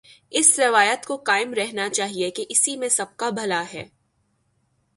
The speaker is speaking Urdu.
اس روایت کو قائم رہنا چاہیے کہ اسی میں سب کابھلا ہے۔